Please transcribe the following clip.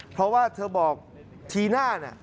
เพราะว่าเธอบอกทีหน้า